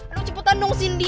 aduh cepetan dong sindi